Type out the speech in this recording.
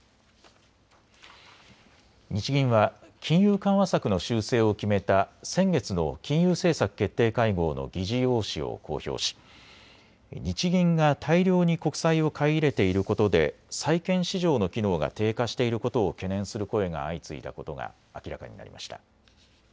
日銀は金融緩和策の修正を決めた先月の金融政策決定会合の議事要旨を公表し日銀が大量に国債を買い入れていることで債券市場の機能が低下していることを懸念する声が相次いだことが明らかになりました。